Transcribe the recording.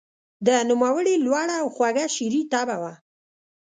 د نوموړي لوړه او خوږه شعري طبعه وه.